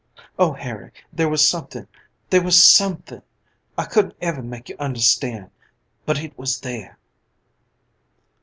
Oh, Harry, there was something, there was something! I couldn't ever make you understand but it was there."